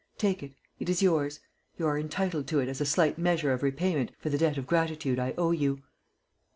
Take it. It is yours. You are entitled to it as a slight measure of repayment for the debt of gratitude I owe you."